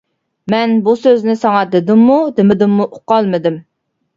مەن بۇ سۆزنى ساڭا دېدىممۇ، دېمىدىممۇ ئۇقالمىدىم.